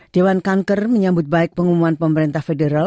dewan kanker menyambut baik pengumuman pemerintah federal